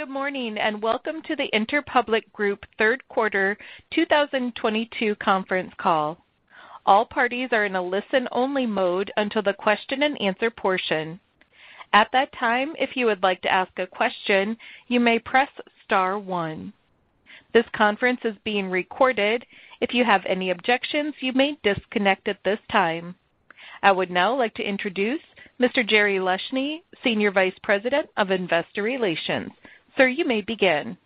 Good morning, and welcome to the Interpublic Group third quarter 2022 conference call. All parties are in a listen-only mode until the question-and-answer portion. At that time, if you would like to ask a question, you may press star one. This conference is being recorded. If you have any objections, you may disconnect at this time. I would now like to introduce Mr. Jerry Leshne, Senior Vice President of Investor Relations. Sir, you may begin.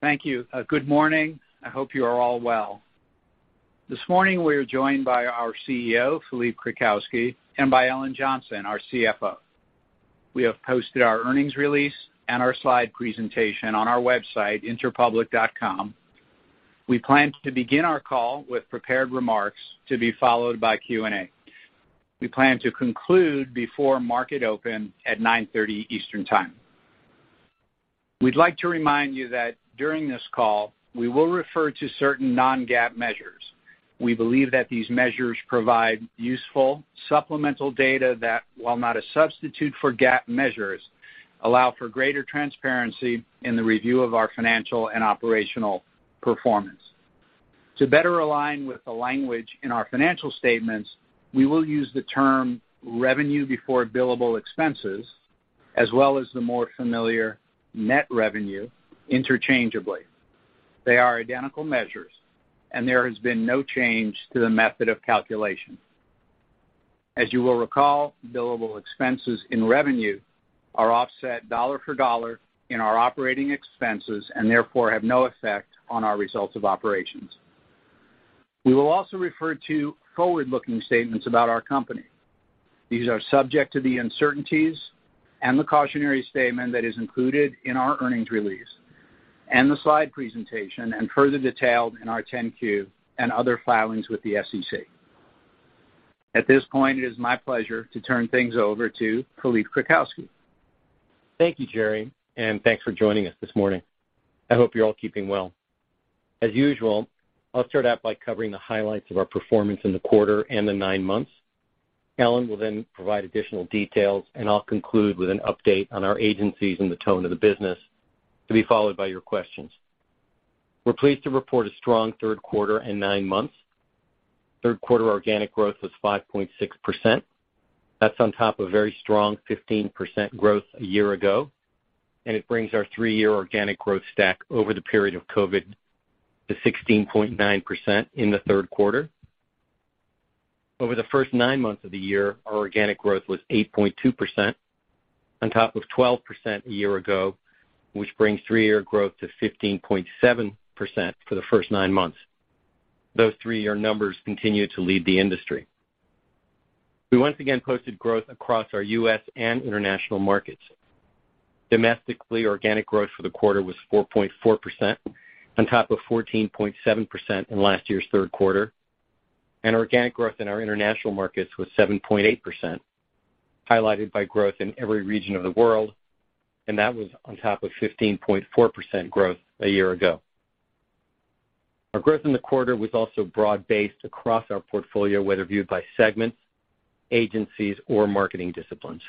Thank you. Good morning. I hope you are all well. This morning, we are joined by our CEO, Philippe Krakowsky, and by Ellen Johnson, our CFO. We have posted our earnings release and our slide presentation on our website, interpublic.com. We plan to begin our call with prepared remarks to be followed by Q&A. We plan to conclude before market open at 9:30 A.M. eastern time. We'd like to remind you that during this call we will refer to certain non-GAAP measures. We believe that these measures provide useful supplemental data that, while not a substitute for GAAP measures, allow for greater transparency in the review of our financial and operational performance. To better align with the language in our financial statements, we will use the term revenue before billable expenses as well as the more familiar net revenue interchangeably. They are identical measures, and there has been no change to the method of calculation. As you will recall, billable expenses in revenue are offset dollar for dollar in our operating expenses and therefore have no effect on our results of operations. We will also refer to forward-looking statements about our company. These are subject to the uncertainties and the cautionary statement that is included in our earnings release and the slide presentation and further detailed in our 10-Q and other filings with the SEC. At this point, it is my pleasure to turn things over to Philippe Krakowsky. Thank you, Jerry, and thanks for joining us this morning. I hope you're all keeping well. As usual, I'll start out by covering the highlights of our performance in the quarter and the nine months. Ellen will then provide additional details, and I'll conclude with an update on our agencies and the tone of the business, to be followed by your questions. We're pleased to report a strong third quarter and nine months. Third quarter organic growth was 5.6%. That's on top of very strong 15% growth a year ago, and it brings our three-year organic growth stack over the period of COVID to 16.9% in the third quarter. Over the first nine months of the year, our organic growth was 8.2% on top of 12% a year ago, which brings three-year growth to 15.7% for the first nine months. Those three-year numbers continue to lead the industry. We once again posted growth across our U.S. and international markets. Domestically, organic growth for the quarter was 4.4% on top of 14.7% in last year's third quarter. Organic growth in our international markets was 7.8%, highlighted by growth in every region of the world, and that was on top of 15.4% growth a year ago. Our growth in the quarter was also broad-based across our portfolio, whether viewed by segments, agencies, or marketing disciplines.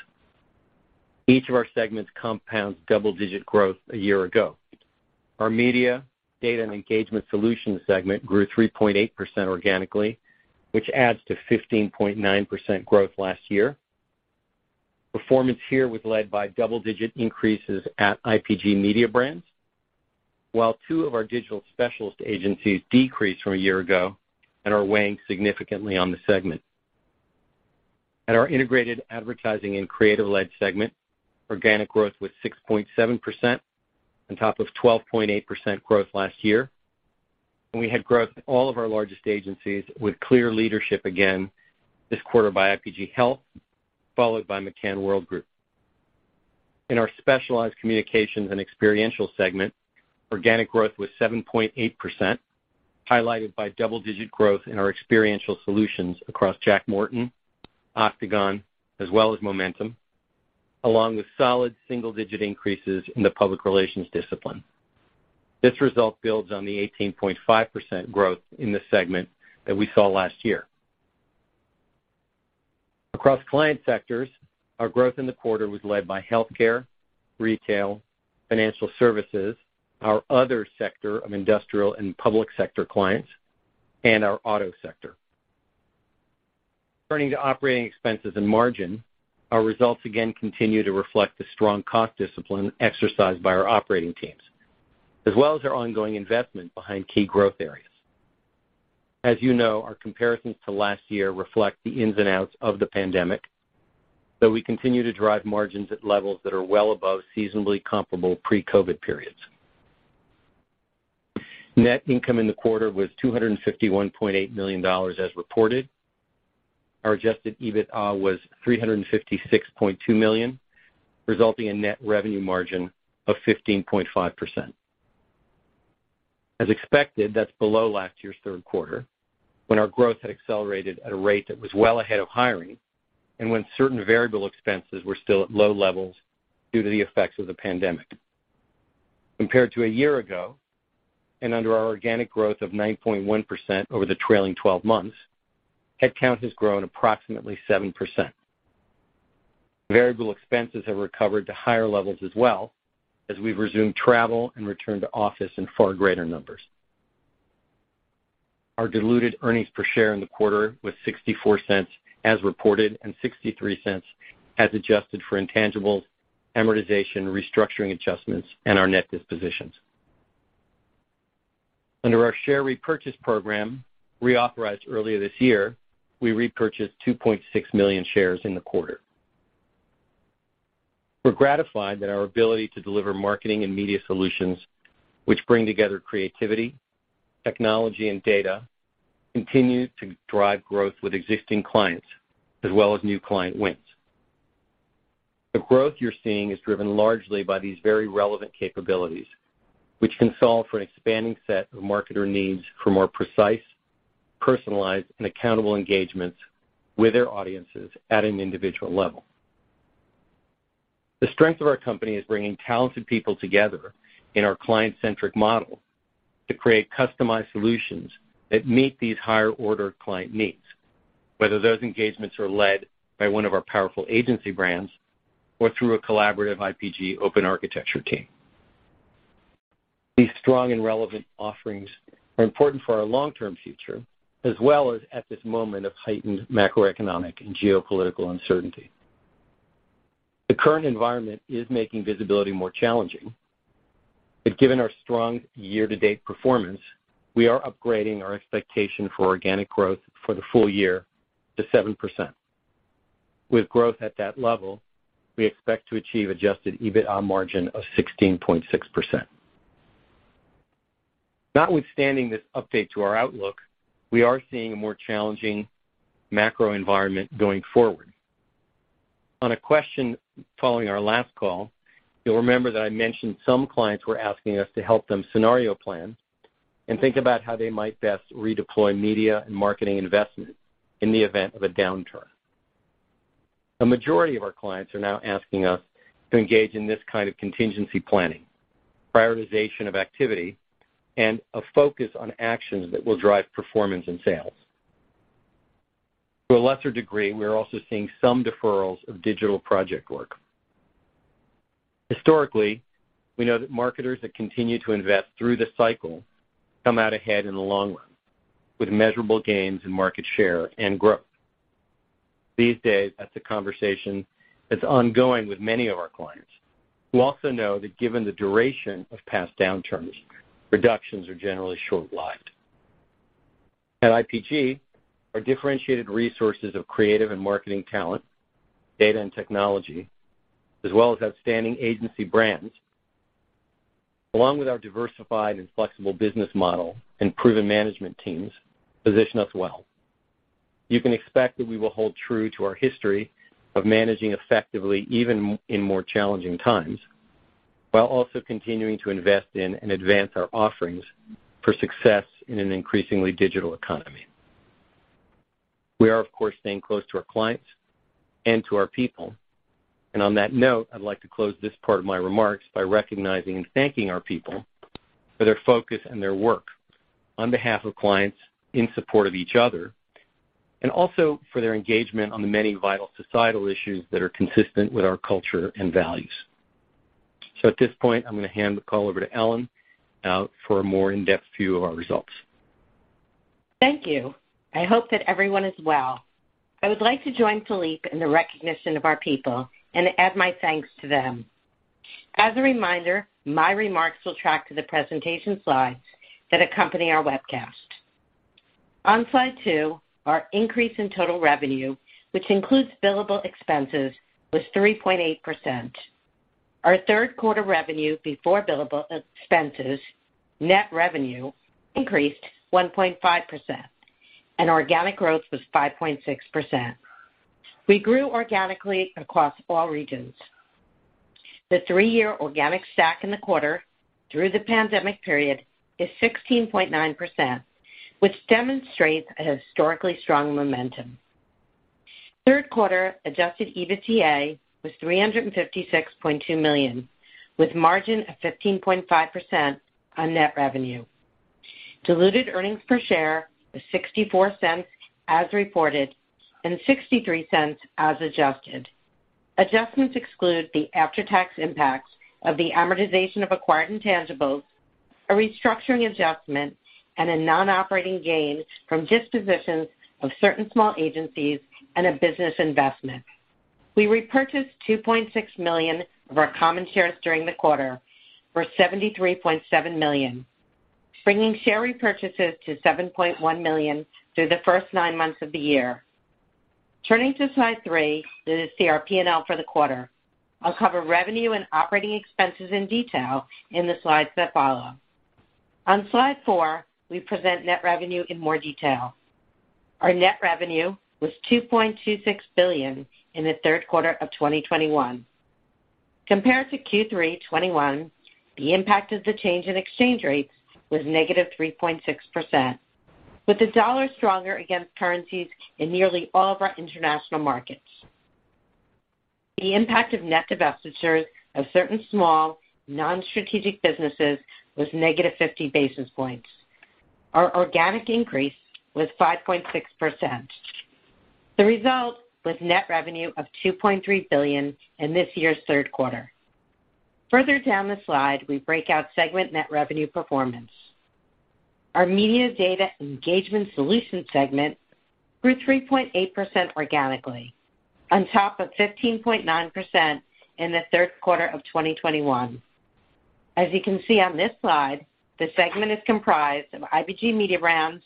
Each of our segments compounds double-digit growth a year ago. Our media, data, and engagement solutions segment grew 3.8% organically, which adds to 15.9% growth last year. Performance here was led by double-digit increases at IPG Mediabrands, while two of our digital specialist agencies decreased from a year ago and are weighing significantly on the segment. At our integrated advertising and creative-led segment, organic growth was 6.7% on top of 12.8% growth last year. We had growth in all of our largest agencies with clear leadership again this quarter by IPG Health, followed by McCann Worldgroup. In our specialized communications and experiential segment, organic growth was 7.8%, highlighted by double-digit growth in our experiential solutions across Jack Morton, Octagon, as well as Momentum, along with solid single-digit increases in the public relations discipline. This result builds on the 18.5% growth in this segment that we saw last year. Across client sectors, our growth in the quarter was led by healthcare, retail, financial services, our other sector of industrial and public sector clients, and our auto sector. Turning to operating expenses and margin, our results again continue to reflect the strong cost discipline exercised by our operating teams, as well as our ongoing investment behind key growth areas. As you know, our comparisons to last year reflect the ins and outs of the pandemic, though we continue to drive margins at levels that are well above seasonally comparable pre-COVID periods. Net income in the quarter was $251.8 million as reported. Our adjusted EBITA was $356.2 million, resulting in net revenue margin of 15.5%. As expected, that's below last year's third quarter when our growth had accelerated at a rate that was well ahead of hiring and when certain variable expenses were still at low levels due to the effects of the pandemic. Compared to a year ago, and with our organic growth of 9.1% over the trailing twelve months, headcount has grown approximately 7%. Variable expenses have recovered to higher levels as well as we've resumed travel and return to office in far greater numbers. Our diluted earnings per share in the quarter was $0.64 as reported and $0.63 as adjusted for intangibles, amortization, restructuring adjustments, and our net dispositions. Under our share repurchase program reauthorized earlier this year, we repurchased 2.6 million shares in the quarter. We're gratified that our ability to deliver marketing and media solutions, which bring together creativity, technology, and data, continue to drive growth with existing clients as well as new client wins. The growth you're seeing is driven largely by these very relevant capabilities, which can solve for an expanding set of marketer needs for more precise, personalized, and accountable engagements with their audiences at an individual level. The strength of our company is bringing talented people together in our client-centric model to create customized solutions that meet these higher order client needs, whether those engagements are led by one of our powerful agency brands or through a collaborative IPG open architecture team. These strong and relevant offerings are important for our long-term future as well as at this moment of heightened macroeconomic and geopolitical uncertainty. The current environment is making visibility more challenging, but given our strong year-to-date performance, we are upgrading our expectation for organic growth for the full year to 7%. With growth at that level, we expect to achieve adjusted EBITDA margin of 16.6%. Notwithstanding this update to our outlook, we are seeing a more challenging macro environment going forward. On a question following our last call, you'll remember that I mentioned some clients were asking us to help them scenario plan and think about how they might best redeploy media and marketing investment in the event of a downturn. A majority of our clients are now asking us to engage in this kind of contingency planning, prioritization of activity, and a focus on actions that will drive performance and sales. To a lesser degree, we are also seeing some deferrals of digital project work. Historically, we know that marketers that continue to invest through the cycle come out ahead in the long run with measurable gains in market share and growth. These days, that's a conversation that's ongoing with many of our clients. We also know that given the duration of past downturns, reductions are generally short-lived. At IPG, our differentiated resources of creative and marketing talent, data and technology, as well as outstanding agency brands, along with our diversified and flexible business model and proven management teams, position us well. You can expect that we will hold true to our history of managing effectively even in more challenging times, while also continuing to invest in and advance our offerings for success in an increasingly digital economy. We are, of course, staying close to our clients and to our people. On that note, I'd like to close this part of my remarks by recognizing and thanking our people for their focus and their work on behalf of clients in support of each other, and also for their engagement on the many vital societal issues that are consistent with our culture and values. At this point, I'm gonna hand the call over to Ellen for a more in-depth view of our results. Thank you. I hope that everyone is well. I would like to join Philippe in the recognition of our people and add my thanks to them. As a reminder, my remarks will track to the presentation slides that accompany our webcast. On slide two, our increase in total revenue, which includes billable expenses, was 3.8%. Our third quarter revenue before billable expenses, net revenue, increased 1.5%, and organic growth was 5.6%. We grew organically across all regions. The three-year organic stack in the quarter through the pandemic period is 16.9%, which demonstrates a historically strong momentum. Third quarter adjusted EBITDA was $356.2 million, with margin of 15.5% on net revenue. Diluted earnings per share was $0.64 as reported and $0.63 as adjusted. Adjustments exclude the after-tax impacts of the amortization of acquired intangibles, a restructuring adjustment, and a non-operating gain from dispositions of certain small agencies and a business investment. We repurchased 2.6 million of our common shares during the quarter for $73.7 million, bringing share repurchases to 7.1 million through the first nine months of the year. Turning to slide three, this is our P&L for the quarter. I'll cover revenue and operating expenses in detail in the slides that follow. On slide four, we present net revenue in more detail. Our net revenue was $2.26 billion in the third quarter of 2021. Compared to Q3 2021, the impact of the change in exchange rates was -3.6%, with the dollar stronger against currencies in nearly all of our international markets. The impact of net divestitures of certain small non-strategic businesses was -50 basis points. Our organic increase was 5.6%. The result was net revenue of $2.3 billion in this year's third quarter. Further down the slide, we break out segment net revenue performance. Our Media Data Engagement Solutions segment grew 3.8% organically, on top of 15.9% in the third quarter of 2021. As you can see on this slide, the segment is comprised of IPG Mediabrands,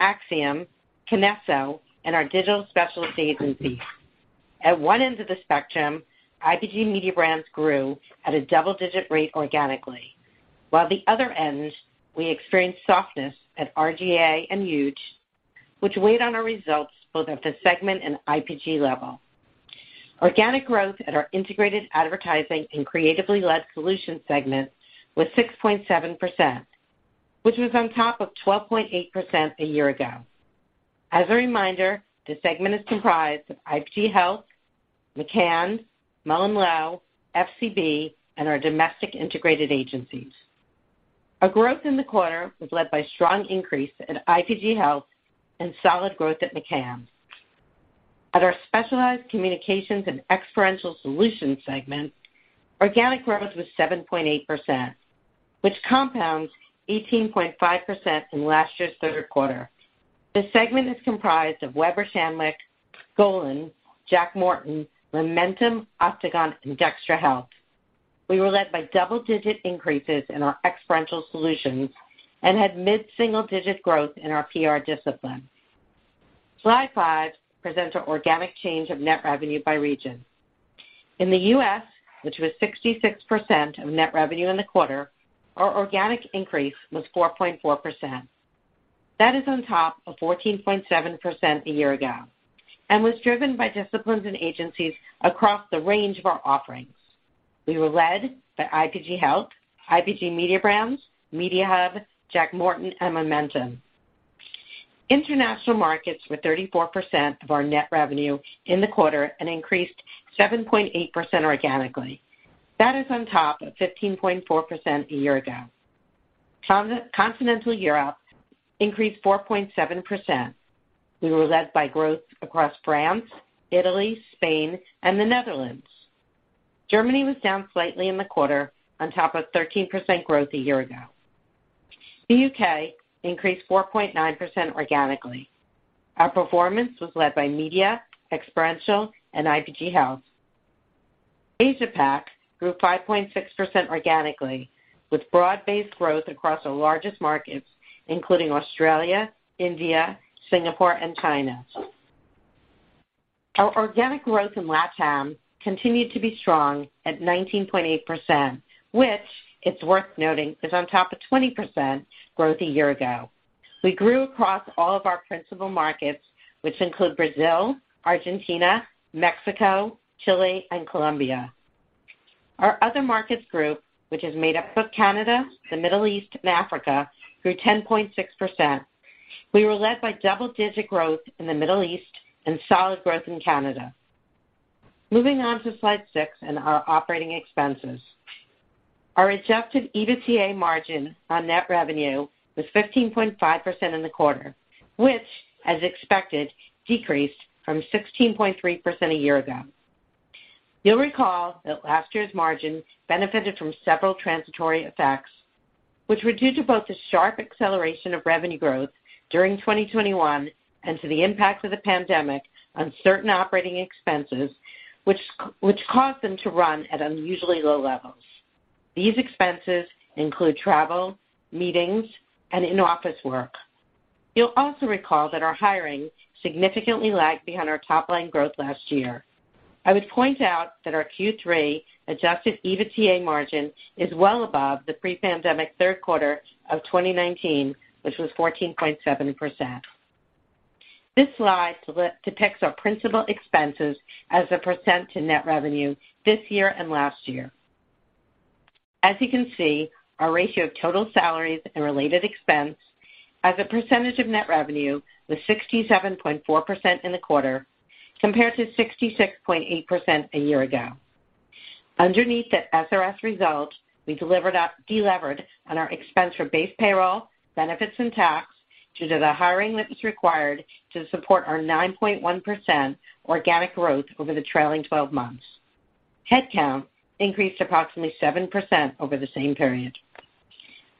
Acxiom, KINESSO, and our digital specialty agencies. At one end of the spectrum, IPG Mediabrands grew at a double-digit rate organically. While at the other end, we experienced softness at R/GA and Huge, which weighed on our results both at the segment and IPG level. Organic growth at our integrated advertising and creatively led solutions segment was 6.7%, which was on top of 12.8% a year ago. As a reminder, this segment is comprised of IPG Health, McCann, MullenLowe, FCB, and our domestic integrated agencies. Our growth in the quarter was led by strong increase in IPG Health and solid growth at McCann. At our specialized communications and experiential solutions segment, organic growth was 7.8%, which compounds 18.5% from last year's third quarter. The segment is comprised of Weber Shandwick, Golin, Jack Morton, Momentum, Octagon, and DXTRA Health. We were led by double-digit increases in our experiential solutions and had mid-single-digit growth in our PR discipline. Slide five presents our organic change of net revenue by region. In the U.S., which was 66% of net revenue in the quarter, our organic increase was 4.4%. That is on top of 14.7% a year ago and was driven by disciplines and agencies across the range of our offerings. We were led by IPG Health, IPG Mediabrands, Mediahub, Jack Morton, and Momentum. International markets were 34% of our net revenue in the quarter and increased 7.8% organically. That is on top of 15.4% a year ago. Continental Europe increased 4.7%. We were led by growth across France, Italy, Spain, and the Netherlands. Germany was down slightly in the quarter on top of 13% growth a year ago. The U.K. increased 4.9% organically. Our performance was led by media, experiential, and IPG Health. Asia PAC grew 5.6% organically, with broad-based growth across our largest markets, including Australia, India, Singapore, and China. Our organic growth in LatAm continued to be strong at 19.8%, which, it's worth noting, is on top of 20% growth a year ago. We grew across all of our principal markets, which include Brazil, Argentina, Mexico, Chile, and Colombia. Our other markets group, which is made up of Canada, the Middle East, and Africa, grew 10.6%. We were led by double-digit growth in the Middle East and solid growth in Canada. Moving on to slide six and our operating expenses. Our adjusted EBITDA margin on net revenue was 15.5% in the quarter, which, as expected, decreased from 16.3% a year ago. You'll recall that last year's margin benefited from several transitory effects, which were due to both the sharp acceleration of revenue growth during 2021 and to the impact of the pandemic on certain operating expenses, which caused them to run at unusually low levels. These expenses include travel, meetings, and in-office work. You'll also recall that our hiring significantly lagged behind our top-line growth last year. I would point out that our Q3 adjusted EBITDA margin is well above the pre-pandemic third quarter of 2019, which was 14.7%. This slide depicts our principal expenses as a percent of net revenue this year and last year. As you can see, our ratio of total salaries and related expense as a percentage of net revenue was 67.4% in the quarter, compared to 66.8% a year ago. Underneath that SRS result, we delevered on our expense for base payroll, benefits, and tax due to the hiring that was required to support our 9.1% organic growth over the trailing twelve months. Headcount increased approximately 7% over the same period.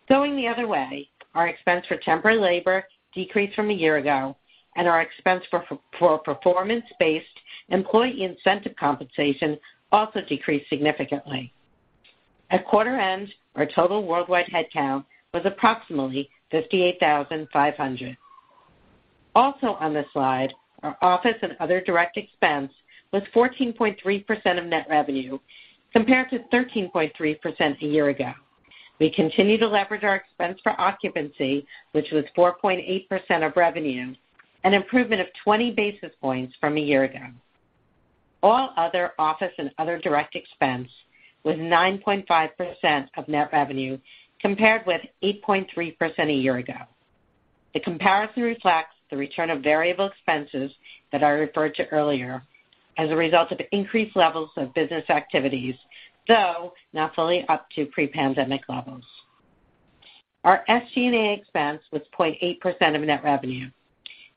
Going the other way, our expense for temporary labor decreased from a year ago, and our expense for performance-based employee incentive compensation also decreased significantly. At quarter end, our total worldwide headcount was approximately 58,500. Also on this slide, our office and other direct expense was 14.3% of net revenue, compared to 13.3% a year ago. We continue to leverage our expense for occupancy, which was 4.8% of revenue, an improvement of 20 basis points from a year ago. All other office and other direct expense was 9.5% of net revenue, compared with 8.3% a year ago. The comparison reflects the return of variable expenses that I referred to earlier as a result of increased levels of business activities, though not fully up to pre-pandemic levels. Our SG&A expense was 0.8% of net revenue,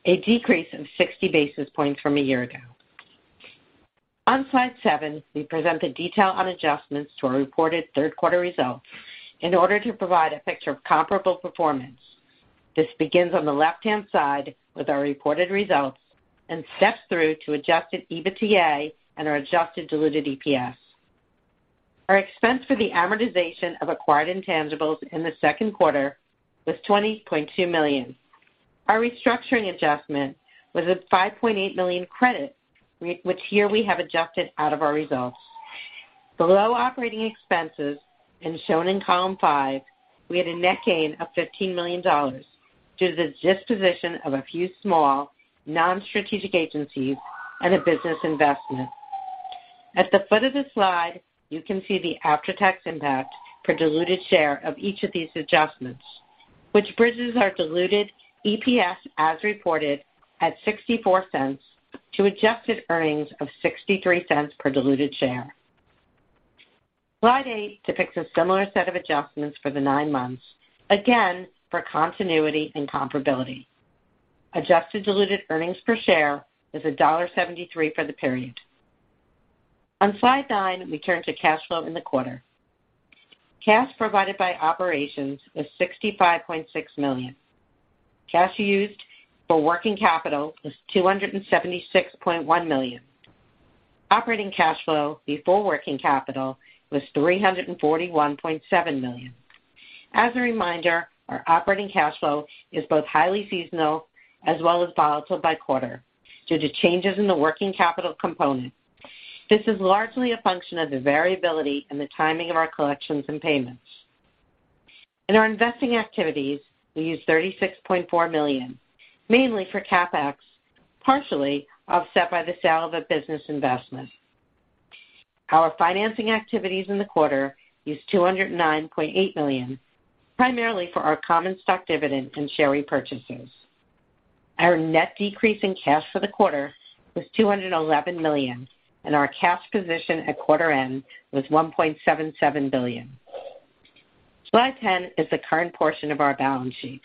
a decrease of 60 basis points from a year ago. On slide seven, we present the detail on adjustments to our reported third quarter results in order to provide a picture of comparable performance. This begins on the left-hand side with our reported results and steps through to adjusted EBITDA and our adjusted diluted EPS. Our expense for the amortization of acquired intangibles in the second quarter was $20.2 million. Our restructuring adjustment was a $5.8 million credit, which here we have adjusted out of our results. Below operating expenses, and shown in column five, we had a net gain of $15 million due to the disposition of a few small non-strategic agencies and a business investment. At the foot of the slide, you can see the after-tax impact per diluted share of each of these adjustments, which bridges our diluted EPS as reported at $0.64 to adjusted earnings of $0.63 per diluted share. Slide eight depicts a similar set of adjustments for the nine months, again, for continuity and comparability. Adjusted diluted earnings per share was $1.73 for the period. On slide nine, we turn to cash flow in the quarter. Cash provided by operations was $65.6 million. Cash used for working capital was $276.1 million. Operating cash flow before working capital was $341.7 million. As a reminder, our operating cash flow is both highly seasonal as well as volatile by quarter due to changes in the working capital component. This is largely a function of the variability in the timing of our collections and payments. In our investing activities, we used $36.4 million, mainly for CapEx, partially offset by the sale of a business investment. Our financing activities in the quarter used $209.8 million, primarily for our common stock dividend and share repurchases. Our net decrease in cash for the quarter was $211 million, and our cash position at quarter end was $1.77 billion. Slide 10 is the current portion of our balance sheet.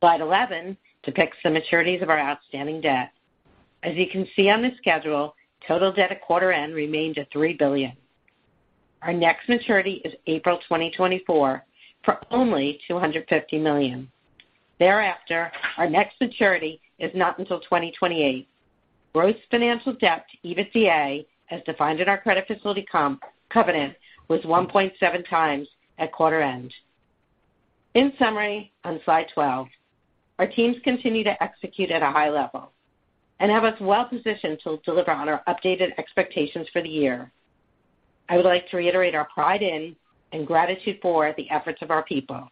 Slide 11 depicts the maturities of our outstanding debt. As you can see on this schedule, total debt at quarter end remains at $3 billion. Our next maturity is April 2024 for only $250 million. Thereafter, our next maturity is not until 2028. Gross financial debt to EBITDA, as defined in our credit facility covenant, was 1.7 times at quarter end. In summary, on slide 12, our teams continue to execute at a high level and have us well positioned to deliver on our updated expectations for the year. I would like to reiterate our pride in and gratitude for the efforts of our people.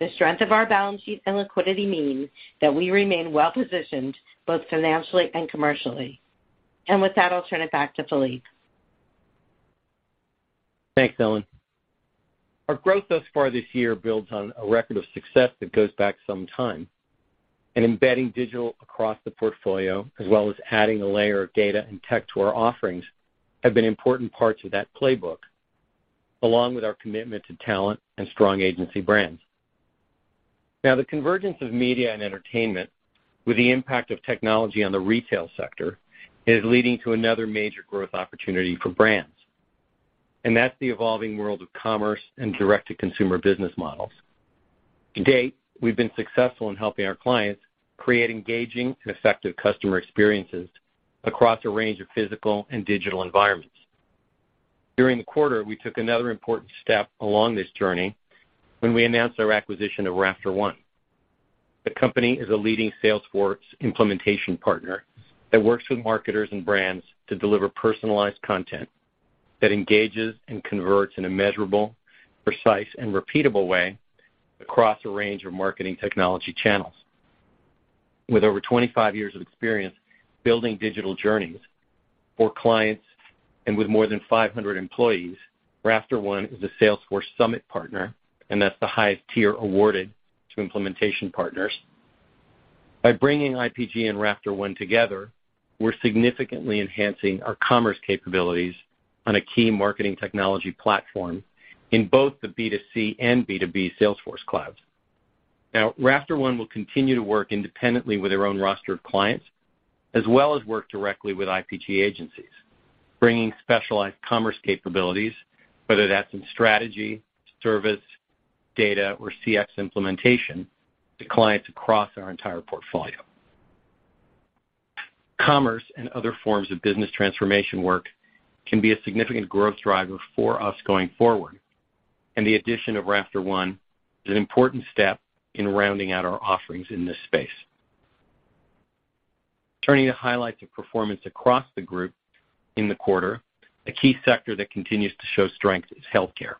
The strength of our balance sheet and liquidity mean that we remain well-positioned both financially and commercially. With that, I'll turn it back to Philippe. Thanks, Ellen. Our growth thus far this year builds on a record of success that goes back some time, and embedding digital across the portfolio, as well as adding a layer of data and tech to our offerings, have been important parts of that playbook, along with our commitment to talent and strong agency brands. Now, the convergence of media and entertainment with the impact of technology on the retail sector is leading to another major growth opportunity for brands, and that's the evolving world of commerce and direct-to-consumer business models. To date, we've been successful in helping our clients create engaging and effective customer experiences across a range of physical and digital environments. During the quarter, we took another important step along this journey when we announced our acquisition of RafterOne. The company is a leading Salesforce implementation partner that works with marketers and brands to deliver personalized content that engages and converts in a measurable, precise, and repeatable way across a range of marketing technology channels. With over 25 years of experience building digital journeys for clients and with more than 500 employees, RafterOne is a Salesforce Summit partner, and that's the highest tier awarded to implementation partners. By bringing IPG and RafterOne together, we're significantly enhancing our commerce capabilities on a key marketing technology platform in both the B2C and B2B Salesforce clouds. Now, RafterOne will continue to work independently with their own roster of clients, as well as work directly with IPG agencies, bringing specialized commerce capabilities, whether that's in strategy, service, data, or CX implementation to clients across our entire portfolio. Commerce and other forms of business transformation work can be a significant growth driver for us going forward, and the addition of RafterOne is an important step in rounding out our offerings in this space. Turning to highlights of performance across the group in the quarter, a key sector that continues to show strength is healthcare.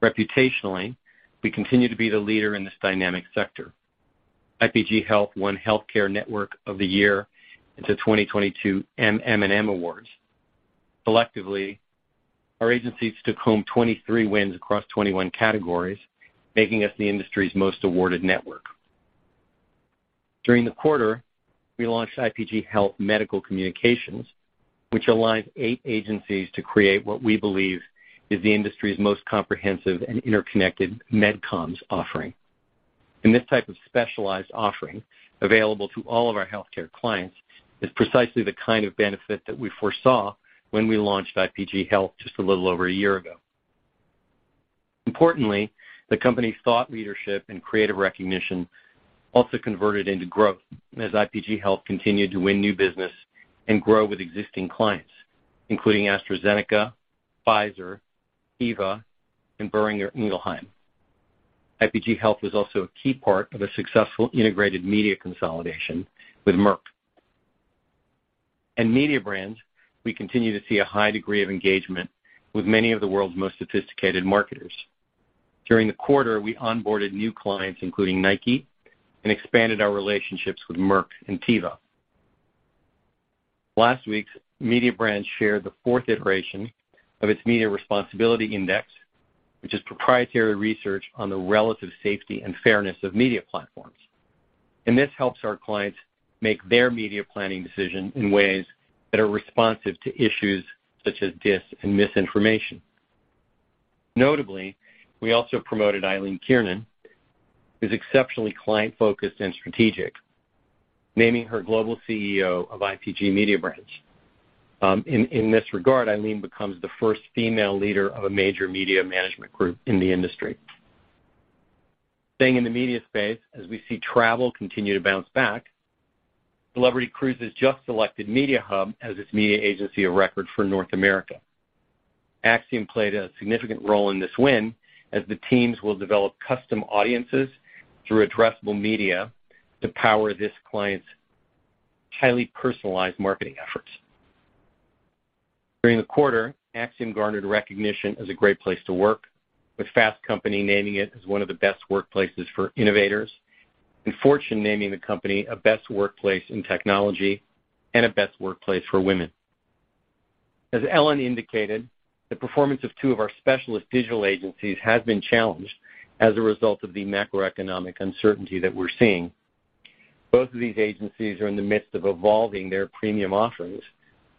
Reputationally, we continue to be the leader in this dynamic sector. IPG Health won Healthcare Network of the Year at the 2022 MM+M Awards. Collectively, our agencies took home 23 wins across 21 categories, making us the industry's most awarded network. During the quarter, we launched IPG Health Medical Communications, which aligns eight agencies to create what we believe is the industry's most comprehensive and interconnected med comms offering. This type of specialized offering available to all of our healthcare clients is precisely the kind of benefit that we foresaw when we launched IPG Health just a little over a year ago. Importantly, the company's thought leadership and creative recognition also converted into growth as IPG Health continued to win new business and grow with existing clients, including AstraZeneca, Pfizer, Teva, and Boehringer Ingelheim. IPG Health was also a key part of a successful integrated media consolidation with Merck. In IPG Mediabrands, we continue to see a high degree of engagement with many of the world's most sophisticated marketers. During the quarter, we onboarded new clients, including Nike, and expanded our relationships with Merck and Teva. Last week, IPG Mediabrands shared the fourth iteration of its Media Responsibility Index, which is proprietary research on the relative safety and fairness of media platforms. This helps our clients make their media planning decisions in ways that are responsive to issues such as disinformation and misinformation. Notably, we also promoted Eileen Kiernan, who's exceptionally client-focused and strategic, naming her Global CEO of IPG Mediabrands. In this regard, Eileen becomes the first female leader of a major media management group in the industry. Staying in the media space, as we see travel continue to bounce back, Celebrity Cruises just selected Mediahub as its media agency of record for North America. Acxiom played a significant role in this win, as the teams will develop custom audiences through addressable media to power this client's highly personalized marketing efforts. During the quarter, Acxiom garnered recognition as a great place to work, with Fast Company naming it as one of the best workplaces for innovators and Fortune naming the company a best workplace in technology and a best workplace for women. As Ellen indicated, the performance of two of our specialist digital agencies has been challenged as a result of the macroeconomic uncertainty that we're seeing. Both of these agencies are in the midst of evolving their premium offerings,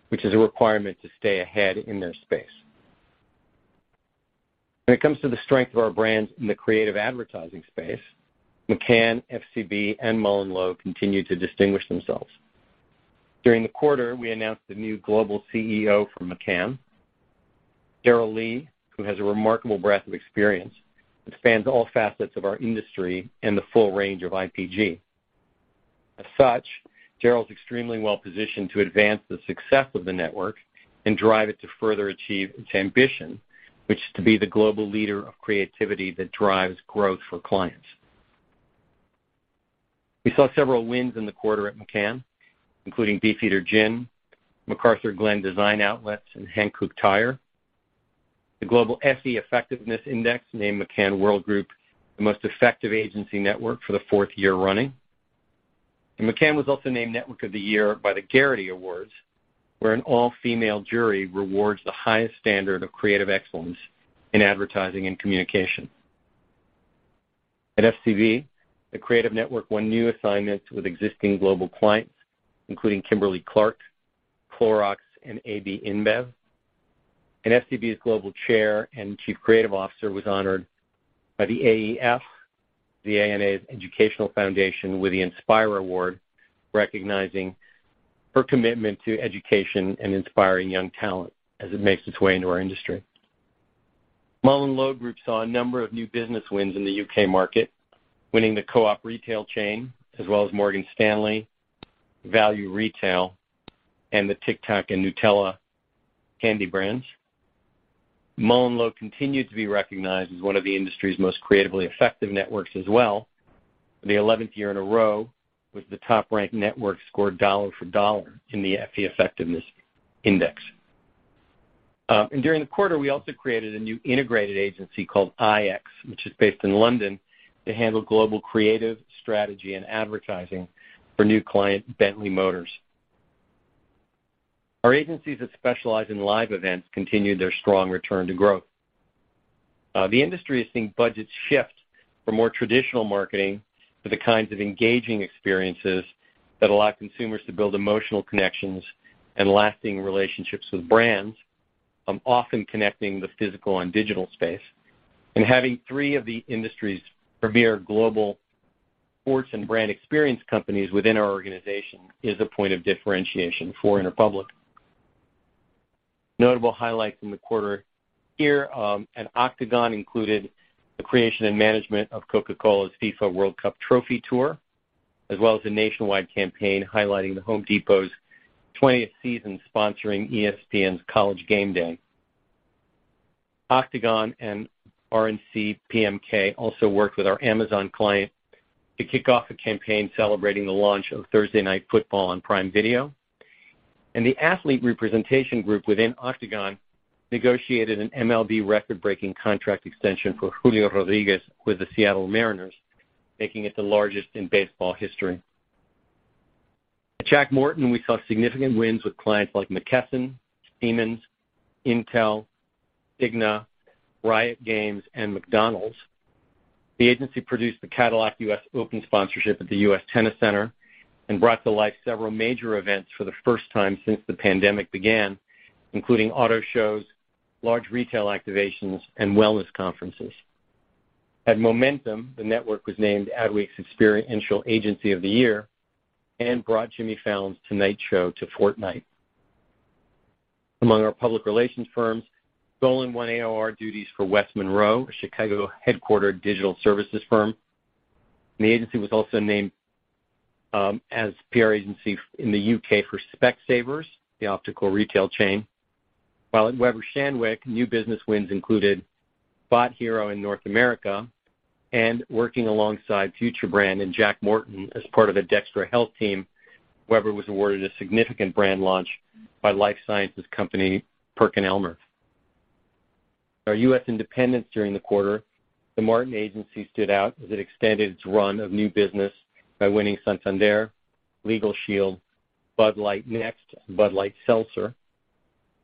which is a requirement to stay ahead in their space. When it comes to the strength of our brands in the creative advertising space, McCann, FCB, and MullenLowe continue to distinguish themselves. During the quarter, we announced a new global CEO for McCann, Daryl Lee, who has a remarkable breadth of experience that spans all facets of our industry and the full range of IPG. As such, Daryl's extremely well-positioned to advance the success of the network and drive it to further achieve its ambition, which is to be the global leader of creativity that drives growth for clients. We saw several wins in the quarter at McCann, including Beefeater Gin, McArthurGlen Designer Outlets, and Hankook Tire. The Global Effie Effectiveness Index named McCann Worldgroup the most effective agency network for the fourth year running. McCann was also named Network of the Year by the Gerety Awards, where an all-female jury rewards the highest standard of creative excellence in advertising and communication. At FCB, the creative network won new assignments with existing global clients, including Kimberly-Clark, Clorox, and AB InBev. FCB's Global Chair and Chief Creative Officer was honored by the AEF, the ANA's Educational Foundation, with the Inspire Award, recognizing her commitment to education and inspiring young talent as it makes its way into our industry. MullenLowe Group saw a number of new business wins in the U.K. market, winning the Co-op retail chain, as well as Morgan Stanley, Value Retail, and the Tic Tac and Nutella candy brands. MullenLowe continued to be recognized as one of the industry's most creatively effective networks as well for the eleventh year in a row, with the top-ranked network scored dollar for dollar in the Effie Effectiveness Index. During the quarter, we also created a new integrated agency called IX, which is based in London, to handle global creative strategy and advertising for new client Bentley Motors. Our agencies that specialize in live events continued their strong return to growth. The industry is seeing budgets shift from more traditional marketing to the kinds of engaging experiences that allow consumers to build emotional connections and lasting relationships with brands, often connecting the physical and digital space. Having three of the industry's premier global sports and brand experience companies within our organization is a point of differentiation for Interpublic. Notable highlights in the quarter here at Octagon included the creation and management of Coca-Cola's FIFA World Cup Trophy Tour, as well as a nationwide campaign highlighting The Home Depot's twentieth season sponsoring ESPN's College GameDay. Octagon and Rogers & Cowan PMK also worked with our Amazon client to kick off a campaign celebrating the launch of Thursday Night Football on Prime Video. The athlete representation group within Octagon negotiated an MLB record-breaking contract extension for Julio Rodríguez with the Seattle Mariners, making it the largest in baseball history. At Jack Morton, we saw significant wins with clients like McKesson, Siemens, Intel, Cigna, Riot Games, and McDonald's. The agency produced the Cadillac U.S. Open sponsorship at the USTA Billie Jean King National Tennis Center and brought to life several major events for the first time since the pandemic began, including auto shows, large retail activations, and wellness conferences. At Momentum, the network was named Adweek's Experiential Agency of the Year and brought Jimmy Fallon's The Tonight Show to Fortnite. Among our public relations firms, Golin won AOR duties for West Monroe, a Chicago-headquartered digital services firm. The agency was also named as PR agency in the U.K. for Specsavers, the optical retail chain. While at Weber Shandwick, new business wins included Bio-Thera in North America and working alongside Future Brand and Jack Morton as part of the DXTRA Health team. Weber was awarded a significant brand launch by life sciences company PerkinElmer. Our U.S. independents during the quarter. The Martin Agency stood out as it extended its run of new business by winning Santander, LegalShield, Bud Light NEXT, Bud Light Seltzer.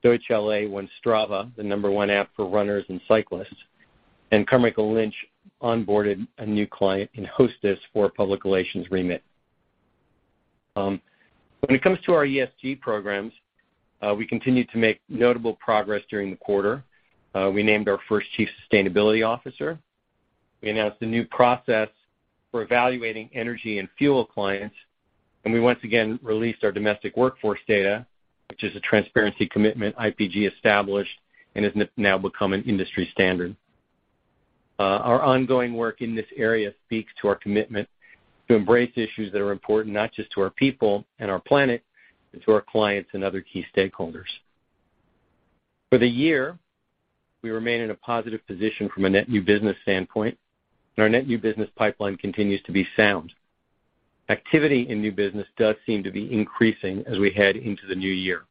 Deutsch LA won Strava, the number one app for runners and cyclists, and Carmichael Lynch onboarded a new client in Hostess for a public relations remit. When it comes to our ESG programs, we continued to make notable progress during the quarter. We named our first chief sustainability officer. We announced a new process for evaluating energy and fuel clients, and we once again released our domestic workforce data, which is a transparency commitment IPG established and has now become an industry standard. Our ongoing work in this area speaks to our commitment to embrace issues that are important not just to our people and our planet, but to our clients and other key stakeholders. For the year, we remain in a positive position from a net new business standpoint, and our net new business pipeline continues to be sound. Activity in new business does seem to be increasing as we head into the new year.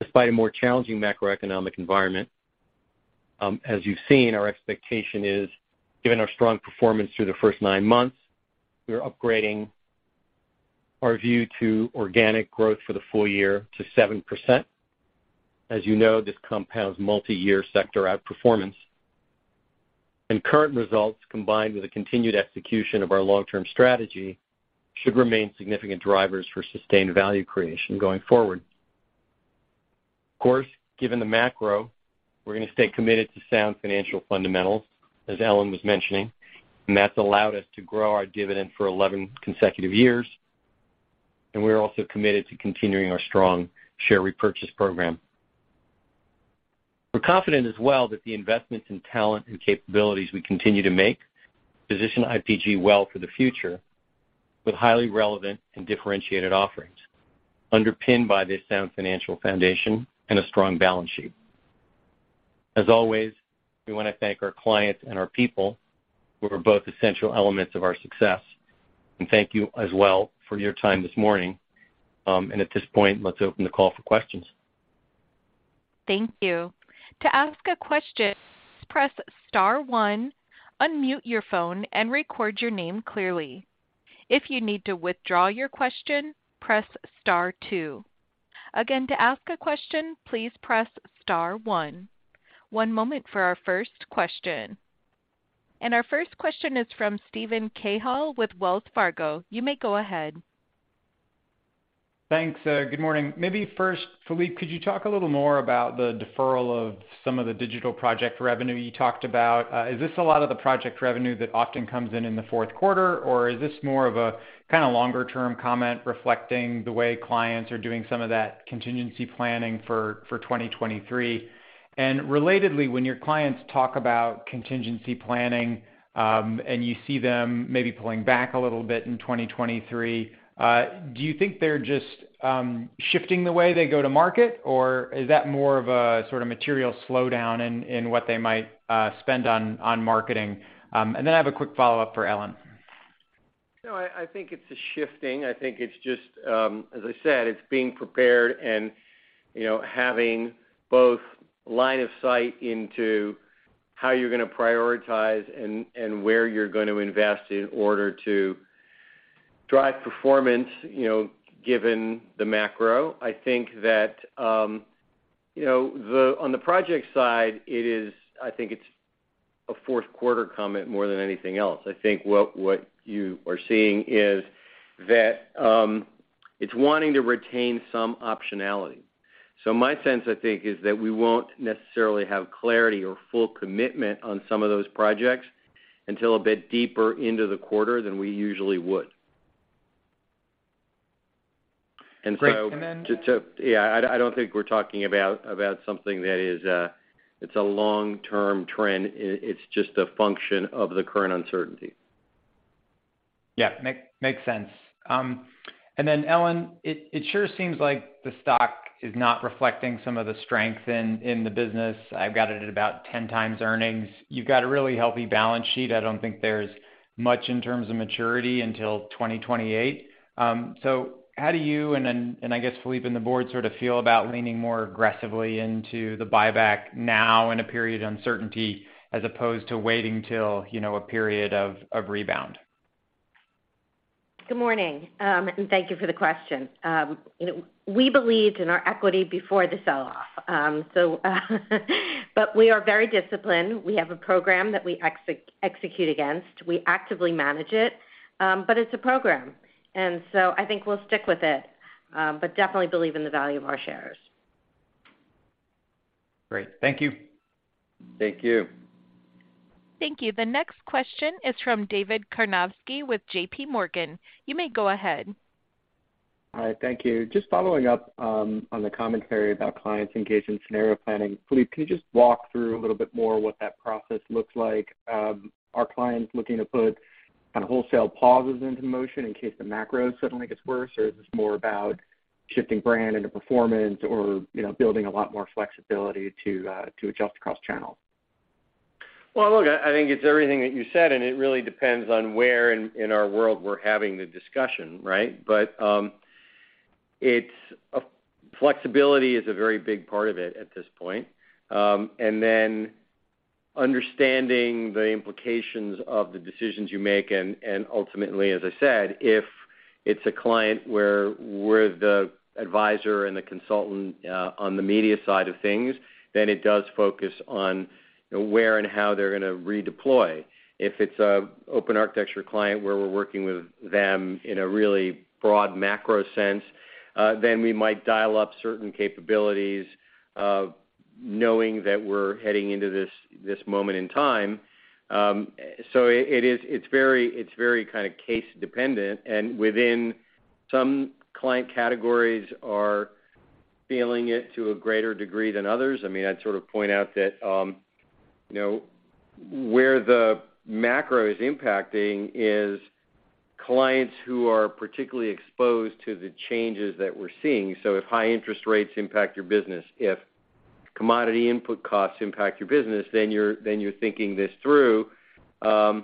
Despite a more challenging macroeconomic environment, as you've seen, our expectation is, given our strong performance through the first nine months, we are upgrading our view to organic growth for the full year to 7%. As you know, this compounds multiyear sector outperformance. Current results, combined with the continued execution of our long-term strategy, should remain significant drivers for sustained value creation going forward. Of course, given the macro, we're gonna stay committed to sound financial fundamentals, as Ellen was mentioning, and that's allowed us to grow our dividend for 11 consecutive years, and we're also committed to continuing our strong share repurchase program. We're confident as well that the investments in talent and capabilities we continue to make position IPG well for the future with highly relevant and differentiated offerings, underpinned by this sound financial foundation and a strong balance sheet. As always, we want to thank our clients and our people who are both essential elements of our success. Thank you as well for your time this morning. At this point, let's open the call for questions. Thank you. To ask a question, press star one, unmute your phone and record your name clearly. If you need to withdraw your question, press star two. Again, to ask a question, please press star one. One moment for our first question. Our first question is from Steven Cahall with Wells Fargo. You may go ahead. Thanks, good morning. Maybe first, Philippe, could you talk a little more about the deferral of some of the digital project revenue you talked about? Is this a lot of the project revenue that often comes in in the fourth quarter, or is this more of a kinda longer-term comment reflecting the way clients are doing some of that contingency planning for 2023? Relatedly, when your clients talk about contingency planning, and you see them maybe pulling back a little bit in 2023, do you think they're just shifting the way they go to market, or is that more of a sort of material slowdown in what they might spend on marketing? Then I have a quick follow-up for Ellen. No, I think it's a shifting. I think it's just, as I said, it's being prepared and, you know, having both line of sight into how you're gonna prioritize and where you're going to invest in order to drive performance, you know, given the macro. I think that, you know, on the project side, it is. I think it's a fourth quarter comment more than anything else. I think what you are seeing is that, it's wanting to retain some optionality. My sense, I think, is that we won't necessarily have clarity or full commitment on some of those projects until a bit deeper into the quarter than we usually would. Great. Yeah, I don't think we're talking about something that is, it's a long-term trend. It's just a function of the current uncertainty. Yeah. Makes sense. Ellen, it sure seems like the stock is not reflecting some of the strength in the business. I've got it at about 10 times earnings. You've got a really healthy balance sheet. I don't think there's much in terms of maturity until 2028. How do you, I guess Philippe and the board sort of feel about leaning more aggressively into the buyback now in a period of uncertainty as opposed to waiting till, you know, a period of rebound? Good morning, and thank you for the question. You know, we believed in our equity before the sell-off. We are very disciplined. We have a program that we execute against. We actively manage it, but it's a program. I think we'll stick with it, but definitely believe in the value of our shares. Great. Thank you. Thank you. Thank you. The next question is from David Karnovsky with JP Morgan. You may go ahead. Hi. Thank you. Just following up on the commentary about clients engaged in scenario planning. Philippe, can you just walk through a little bit more what that process looks like? Are clients looking to put kind of wholesale pauses into motion in case the macro suddenly gets worse? Or is this more about shifting brand into performance or, you know, building a lot more flexibility to adjust across channels? Well, look, I think it's everything that you said, and it really depends on where in our world we're having the discussion, right? Flexibility is a very big part of it at this point. Understanding the implications of the decisions you make and ultimately, as I said, if it's a client where we're the advisor and the consultant on the media side of things, then it does focus on where and how they're gonna redeploy. If it's an open architecture client where we're working with them in a really broad macro sense, then we might dial up certain capabilities, knowing that we're heading into this moment in time. It is very kind of case dependent, and within some client categories are feeling it to a greater degree than others. I mean, I'd sort of point out that, you know, where the macro is impacting is clients who are particularly exposed to the changes that we're seeing. If high interest rates impact your business, if commodity input costs impact your business, then you're thinking this through. There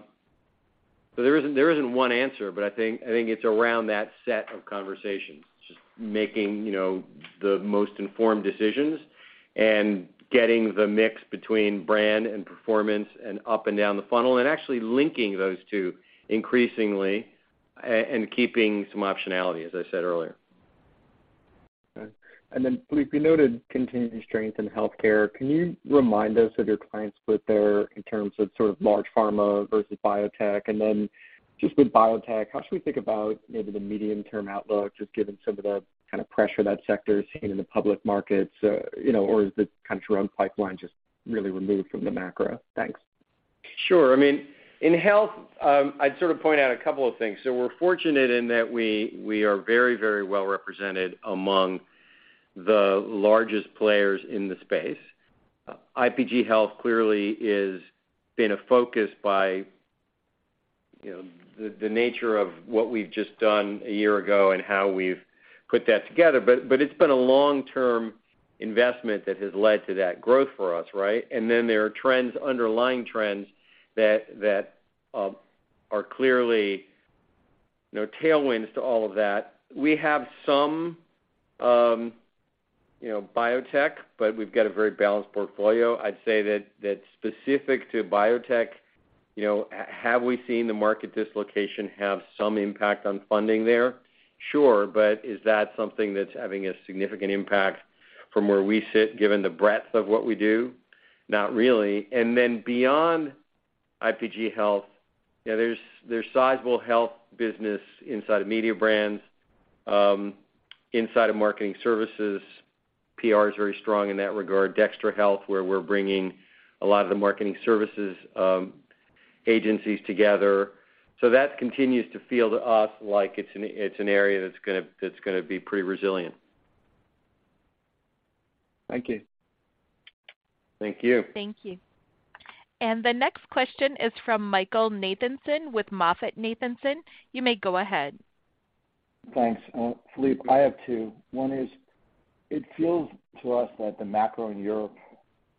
isn't one answer, but I think it's around that set of conversations, just making, you know, the most informed decisions and getting the mix between brand and performance and up and down the funnel and actually linking those two increasingly and keeping some optionality, as I said earlier. Okay. Philippe Krakowsky, you noted continued strength in healthcare. Can you remind us of your client split there in terms of sort of large pharma versus biotech? Just with biotech, how should we think about maybe the medium-term outlook, just given some of the kind of pressure that sector is seeing in the public markets, or is the kind of drug pipeline just really removed from the macro? Thanks. Sure. I mean, in health, I'd sort of point out a couple of things. We're fortunate in that we are very, very well represented among the largest players in the space. IPG Health clearly has been a focus by you know the nature of what we've just done a year ago and how we've put that together. It's been a long-term investment that has led to that growth for us, right? There are trends, underlying trends that are clearly you know tailwinds to all of that. We have some biotech, but we've got a very balanced portfolio. I'd say that specific to biotech, you know, have we seen the market dislocation have some impact on funding there? Sure. Is that something that's having a significant impact from where we sit, given the breadth of what we do? Not really. Then beyond IPG Health, you know, there's sizable health business inside of Mediabrands, inside of marketing services. PR is very strong in that regard. IPG DXTRA, where we're bringing a lot of the marketing services agencies together. That continues to feel to us like it's an area that's gonna be pretty resilient. Thank you. Thank you. Thank you. The next question is from Michael Nathanson with MoffettNathanson. You may go ahead. Thanks. Philippe, I have two. One is, it feels to us that the macro in Europe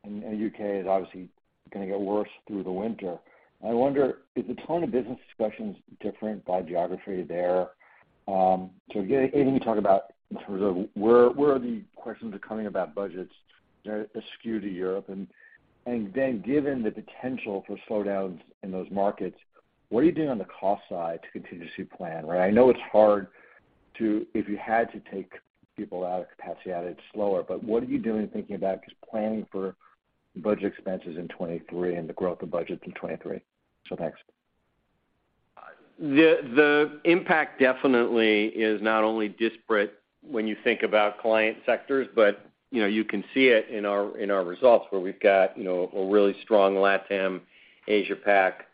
and U.K. is obviously gonna get worse through the winter. I wonder, is the tone of business discussions different by geography there? So, again, can you talk about in terms of where the questions are coming about budgets, you know, as to Europe? Then given the potential for slowdowns in those markets, what are you doing on the cost side to continuously plan, right? I know it's hard to, if you had to take people out of capacity, add it slower, but what are you doing thinking about just planning for budget expenses in 2023 and the growth of budgets in 2023? Thanks. The impact definitely is not only disparate when you think about client sectors, but you know, you can see it in our results where we've got you know, a really strong LATAM, Asia Pac,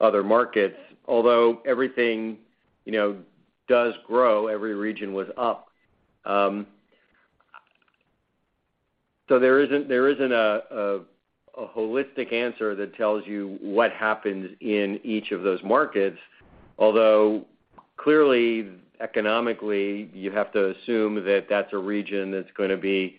other markets. Although everything you know, does grow, every region was up. So there isn't a holistic answer that tells you what happens in each of those markets. Although clearly, economically, you have to assume that that's a region that's gonna be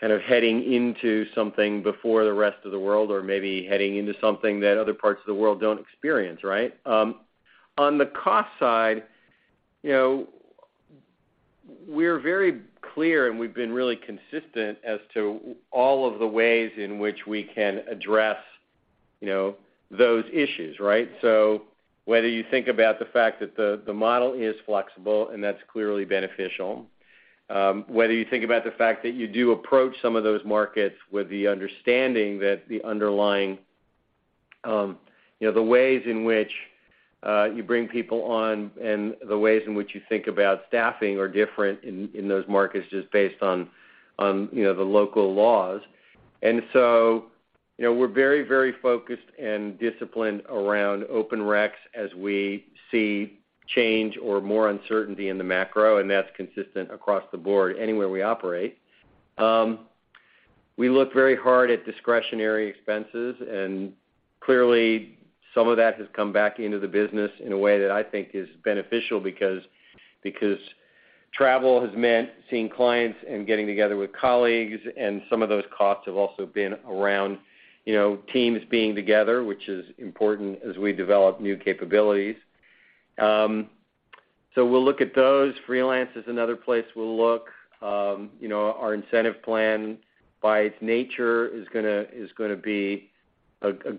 kind of heading into something before the rest of the world or maybe heading into something that other parts of the world don't experience, right? On the cost side, you know, we're very clear, and we've been really consistent as to all of the ways in which we can address you know, those issues, right? Whether you think about the fact that the model is flexible, and that's clearly beneficial, whether you think about the fact that you do approach some of those markets with the understanding that the underlying, you know, the ways in which you bring people on and the ways in which you think about staffing are different in those markets just based on, you know, the local laws. You know, we're very, very focused and disciplined around open recs as we see change or more uncertainty in the macro, and that's consistent across the board anywhere we operate. We look very hard at discretionary expenses, and clearly some of that has come back into the business in a way that I think is beneficial because travel has meant seeing clients and getting together with colleagues, and some of those costs have also been around, you know, teams being together, which is important as we develop new capabilities. We'll look at those. Freelance is another place we'll look. You know, our incentive plan by its nature is gonna be a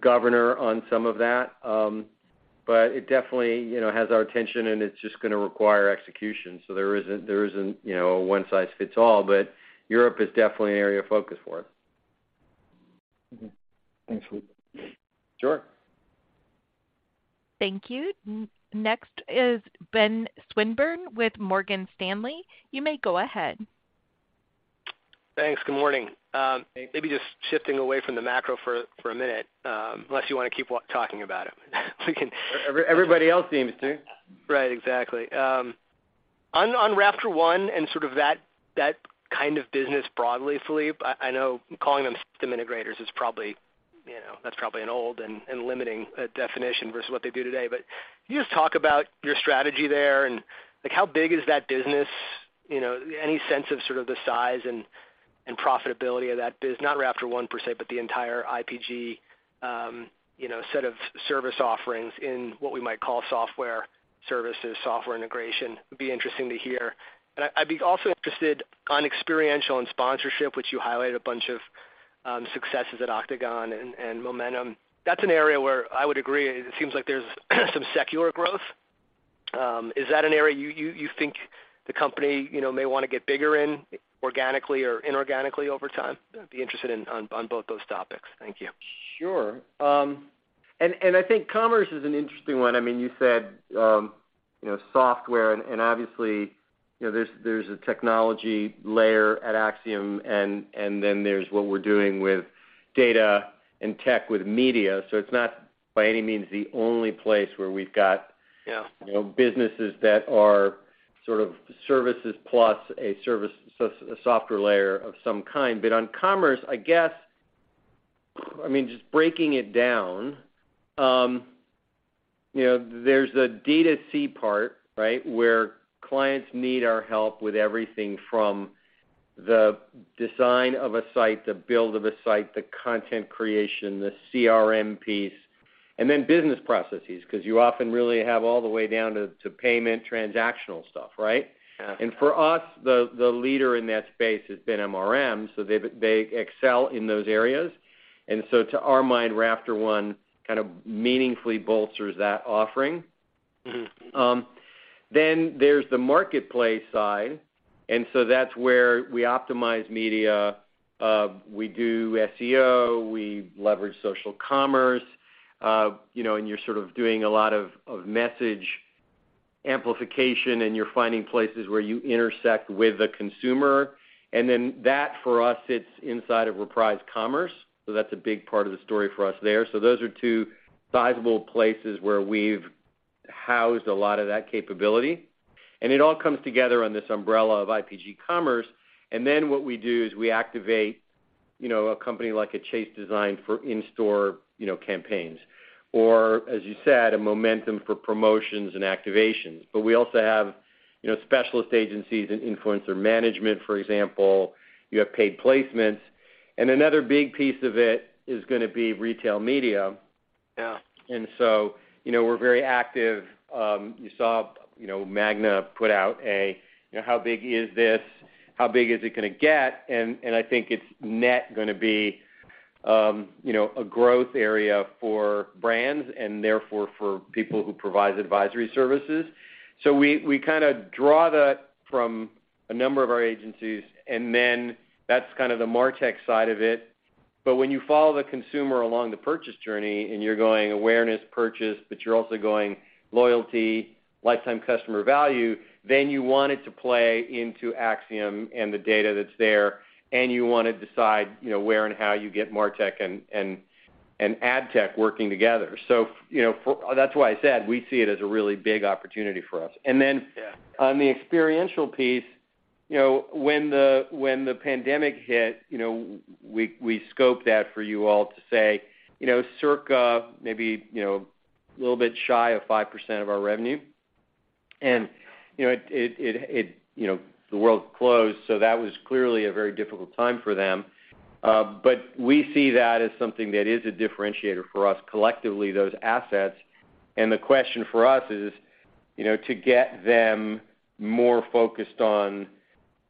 governor on some of that. It definitely, you know, has our attention, and it's just gonna require execution. There isn't, you know, a one-size-fits-all, but Europe is definitely an area of focus for us. Mm-hmm. Thanks, Philippe. Sure. Thank you. Next is Ben Swinburne with Morgan Stanley. You may go ahead. Thanks. Good morning. Hey. Maybe just shifting away from the macro for a minute, unless you wanna keep talking about it. We can- Everybody else seems to. Right. Exactly. On RafterOne and sort of that kind of business broadly, Philippe, I know calling them system integrators is probably, you know, that's probably an old and limiting definition versus what they do today. Can you just talk about your strategy there, and like how big is that business? You know, any sense of sort of the size and profitability of that biz? Not RafterOne per se, but the entire IPG, you know, set of service offerings in what we might call software services, software integration, would be interesting to hear. I'd be also interested in experiential and sponsorship, which you highlighted a bunch of successes at Octagon and Momentum. That's an area where I would agree it seems like there's some secular growth. Is that an area you think the company, you know, may wanna get bigger in organically or inorganically over time? I'd be interested in on both those topics. Thank you. Sure. I think commerce is an interesting one. I mean, you said, you know, software and obviously, you know, there's a technology layer at Acxiom and then there's what we're doing with data and tech with media. It's not by any means the only place where we've got. Yeah You know, businesses that are sort of services plus a software layer of some kind. On commerce, I guess, I mean, just breaking it down, you know, there's a D2C part, right? Where clients need our help with everything from the design of a site, the build of a site, the content creation, the CRM piece, and then business processes, 'cause you often really have all the way down to payment transactional stuff, right? Yeah. For us, the leader in that space has been MRM, so they excel in those areas. To our mind, RafterOne kind of meaningfully bolsters that offering. Mm-hmm. There's the marketplace side, and so that's where we optimize media. We do SEO, we leverage social commerce, you know, and you're sort of doing a lot of message amplification, and you're finding places where you intersect with the consumer. That for us sits inside of Reprise Commerce, so that's a big part of the story for us there. Those are two sizable places where we've housed a lot of that capability. It all comes together on this umbrella of IPG Commerce, and then what we do is we activate, you know, a company like Chase Design for in-store, you know, campaigns, or as you said, Momentum for promotions and activations. We also have, you know, specialist agencies in influencer management, for example. You have paid placements. Another big piece of it is gonna be retail media. Yeah. you know, we're very active. You saw, you know, Magna put out a, you know, how big is this? How big is it gonna get? I think it's net gonna be, you know, a growth area for brands and therefore for people who provide advisory services. We kinda draw that from a number of our agencies, and then that's kind of the martech side of it. When you follow the consumer along the purchase journey and you're going awareness, purchase, but you're also going loyalty, lifetime customer value, then you want it to play into Acxiom and the data that's there, and you wanna decide, you know, where and how you get martech and ad tech working together. You know, that's why I said, we see it as a really big opportunity for us. And then- Yeah On the experiential piece, you know, when the pandemic hit, you know, we scoped that for you all to say, you know, circa maybe, you know, a little bit shy of 5% of our revenue. You know, it you know, the world closed, so that was clearly a very difficult time for them. We see that as something that is a differentiator for us, collectively those assets. The question for us is, you know, to get them more focused on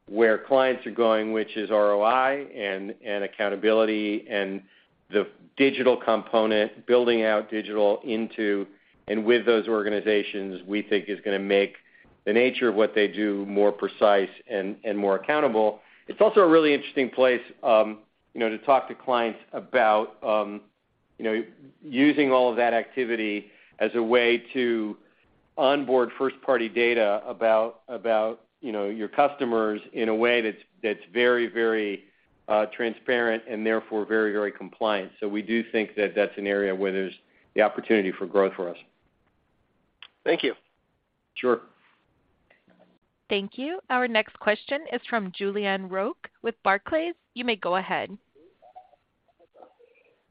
where clients are going, which is ROI and accountability and the digital component, building out digital into and with those organizations, we think is gonna make the nature of what they do more precise and more accountable. It's also a really interesting place, you know, to talk to clients about, you know, using all of that activity as a way to onboard first-party data about, you know, your customers in a way that's very, very transparent and therefore very, very compliant. We do think that that's an area where there's the opportunity for growth for us. Thank you. Sure. Thank you. Our next question is from Julien Roch with Barclays. You may go ahead.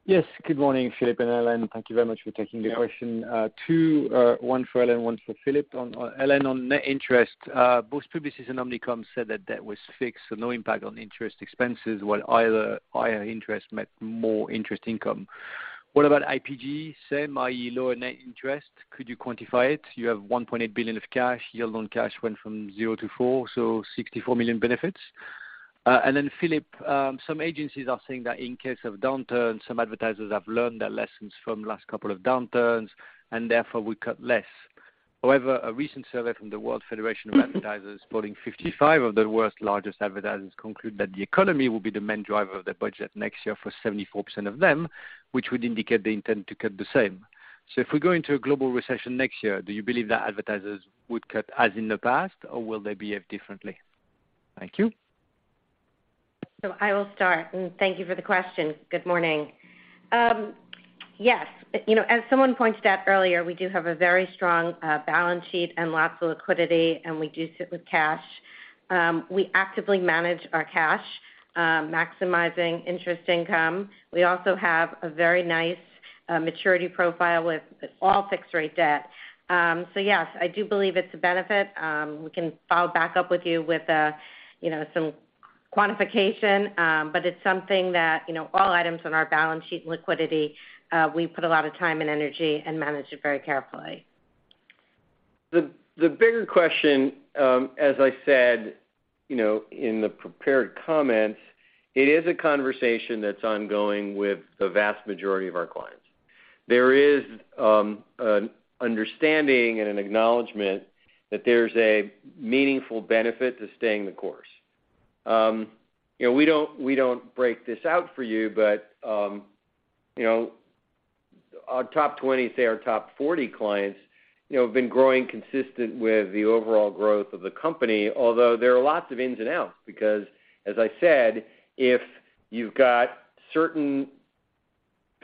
Yes. Good morning, Philippe and Ellen. Thank you very much for taking the question. Two, one for Ellen, one for Philippe. Ellen, on net interest, both Publicis and Omnicom said that that was fixed, so no impact on interest expenses, while either higher interest meant more interest income. What about IPG? Same, i.e., lower net interest. Could you quantify it? You have $1.8 billion of cash. Yield on cash went from zero to four, so $64 million benefits. And then Philippe, some agencies are saying that in case of downturn, some advertisers have learned their lessons from last couple of downturns and therefore will cut less. However, a recent survey from the World Federation of Advertisers polling 55 of the world's largest advertisers conclude that the economy will be the main driver of their budget next year for 74% of them, which would indicate they intend to cut the same. If we go into a global recession next year, do you believe that advertisers would cut as in the past, or will they behave differently? Thank you. I will start, and thank you for the question. Good morning. Yes. You know, as someone pointed out earlier, we do have a very strong, balance sheet and lots of liquidity, and we do sit with cash. We actively manage our cash, maximizing interest income. We also have a very nice, maturity profile with all fixed rate debt. Yes, I do believe it's a benefit. We can follow back up with you with, you know, some quantification, but it's something that, you know, all items on our balance sheet and liquidity, we put a lot of time and energy and manage it very carefully. The bigger question, as I said, you know, in the prepared comments, it is a conversation that's ongoing with the vast majority of our clients. There is an understanding and an acknowledgment that there's a meaningful benefit to staying the course. You know, we don't break this out for you, but you know, our top 20, say our top 40 clients, you know, have been growing consistent with the overall growth of the company, although there are lots of ins and outs because, as I said, if you've got certain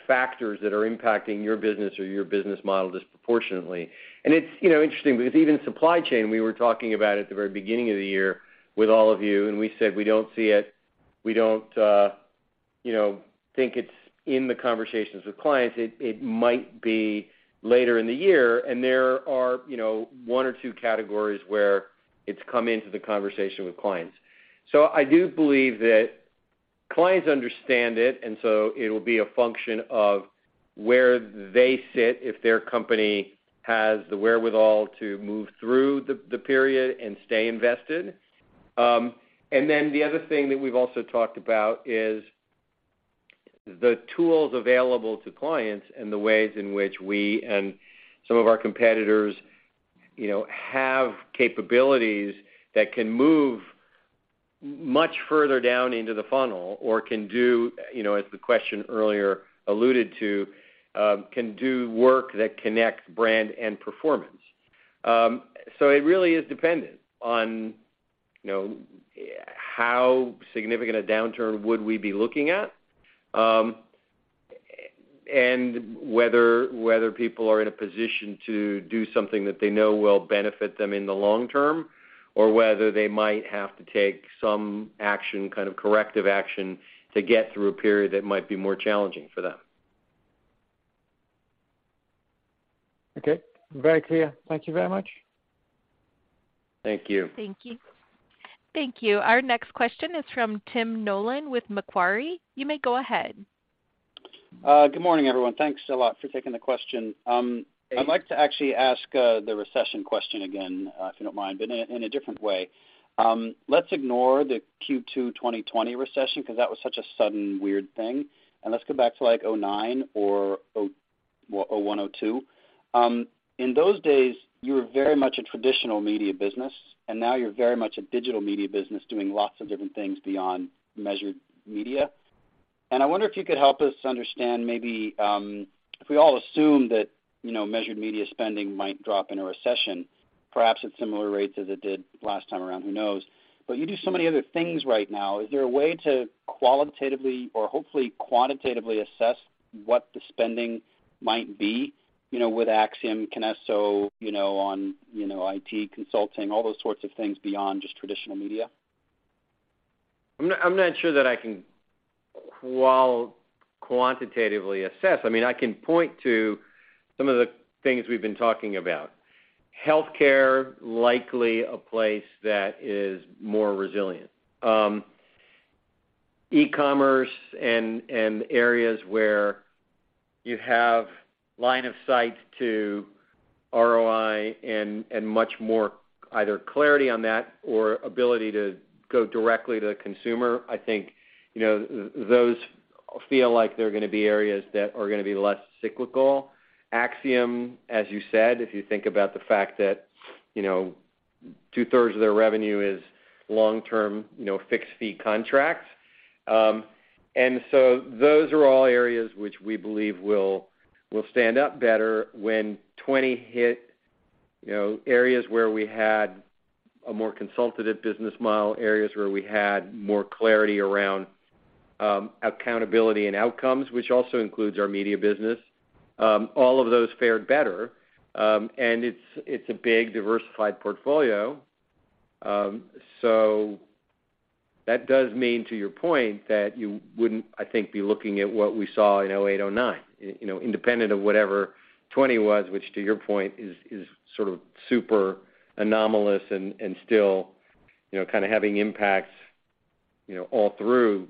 factors that are impacting your business or your business model disproportionately. It's you know, interesting because even supply chain, we were talking about at the very beginning of the year with all of you, and we said, we don't see it. We don't, you know, think it's in the conversations with clients. It might be later in the year, and there are, you know, one or two categories where it's come into the conversation with clients. I do believe that clients understand it, and it'll be a function of where they sit if their company has the wherewithal to move through the period and stay invested. The other thing that we've also talked about is the tools available to clients and the ways in which we and some of our competitors, you know, have capabilities that can move much further down into the funnel or can do, you know, as the question earlier alluded to, can do work that connects brand and performance. It really is dependent on, you know, how significant a downturn would we be looking at, and whether people are in a position to do something that they know will benefit them in the long term, or whether they might have to take some action, kind of corrective action to get through a period that might be more challenging for them. Okay. Very clear. Thank you very much. Thank you. Thank you. Thank you. Our next question is from Tim Nollen with Macquarie. You may go ahead. Good morning, everyone. Thanks a lot for taking the question. Hey- I'd like to actually ask the recession question again, if you don't mind, but in a different way. Let's ignore the Q2 2020 recession because that was such a sudden weird thing, and let's go back to, like, 2009 or 2001, 2002. In those days, you were very much a traditional media business, and now you're very much a digital media business doing lots of different things beyond measured media. I wonder if you could help us understand maybe, if we all assume that, you know, measured media spending might drop in a recession, perhaps at similar rates as it did last time around, who knows? You do so many other things right now. Is there a way to qualitatively or hopefully quantitatively assess what the spending might be, you know, with Acxiom, KINESSO, you know, on, you know, IT consulting, all those sorts of things beyond just traditional media? I'm not sure that I can quantitatively assess. I mean, I can point to some of the things we've been talking about. Healthcare, likely a place that is more resilient. E-commerce and areas where you have line of sight to ROI and much more either clarity on that or ability to go directly to the consumer, I think, you know, those feel like they're gonna be areas that are gonna be less cyclical. Acxiom, as you said, if you think about the fact that, you know, two-thirds of their revenue is long-term, you know, fixed fee contracts. And so those are all areas which we believe will stand up better when 2020 hit, you know, areas where we had a more consultative business model, areas where we had more clarity around accountability and outcomes, which also includes our media business. All of those fared better. It's a big diversified portfolio. That does mean, to your point, that you wouldn't, I think, be looking at what we saw in 2008, 2009. You know, independent of whatever 2020 was, which to your point is sort of super anomalous and still, you know, kind of having impacts, you know, all through,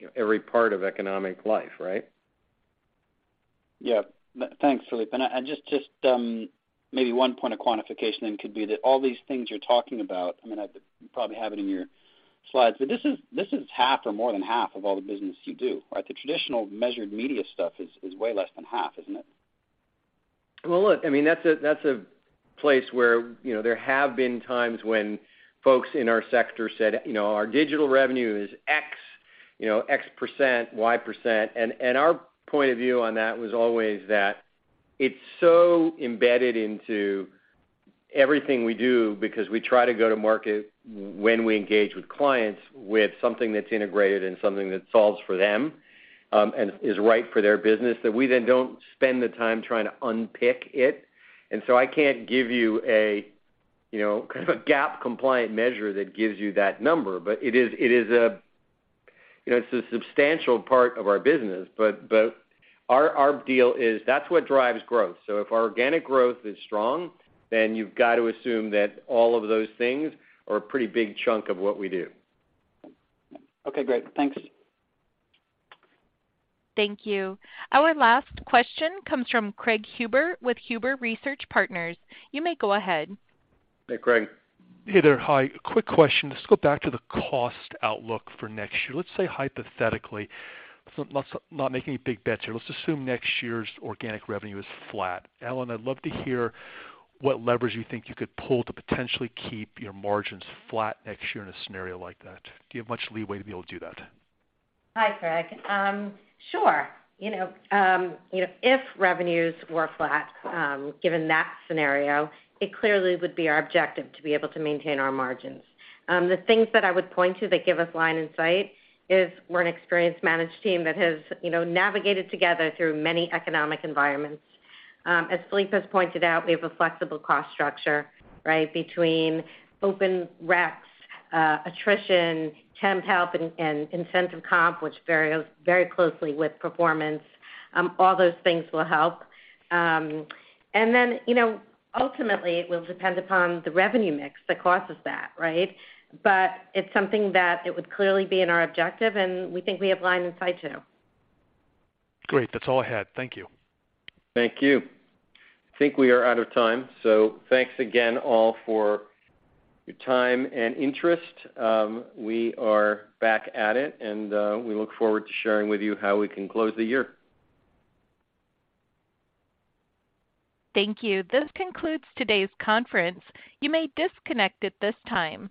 you know, every part of economic life, right? Thanks, Philippe. I just maybe one point of quantification then could be that all these things you're talking about. I mean, you probably have it in your slides, but this is half or more than half of all the business you do, right? The traditional measured media stuff is way less than half, isn't it? Look, I mean, that's a place where, you know, there have been times when folks in our sector said, you know, "Our digital revenue is X, you know, X percent, Y percent." Our point of view on that was always that it's so embedded into everything we do because we try to go to market when we engage with clients with something that's integrated and something that solves for them. And is right for their business that we then don't spend the time trying to unpick it. I can't give you a, you know, kind of a GAAP compliant measure that gives you that number. It is a, you know, it's a substantial part of our business. Our deal is that's what drives growth. If our organic growth is strong, then you've got to assume that all of those things are a pretty big chunk of what we do. Okay, great. Thanks. Thank you. Our last question comes from Craig Huber with Huber Research Partners. You may go ahead. Hey, Craig. Hey there. Hi. Quick question. Let's go back to the cost outlook for next year. Let's say hypothetically, so let's not make any big bets here. Let's assume next year's organic revenue is flat. Ellen, I'd love to hear what levers you think you could pull to potentially keep your margins flat next year in a scenario like that. Do you have much leeway to be able to do that? Hi, Craig. Sure. You know, you know, if revenues were flat, given that scenario, it clearly would be our objective to be able to maintain our margins. The things that I would point to that give us line of sight is we're an experienced management team that has, you know, navigated together through many economic environments. As Philippe has pointed out, we have a flexible cost structure, right? Between open reqs, attrition, temp help and incentive comp, which varies very closely with performance, all those things will help. And then, you know, ultimately it will depend upon the revenue mix that causes that, right? It's something that it would clearly be in our objective, and we think we have line of sight too. Great. That's all I had. Thank you. Thank you. I think we are out of time. Thanks again all for your time and interest. We are back at it, and we look forward to sharing with you how we can close the year. Thank you. This concludes today's conference. You may disconnect at this time.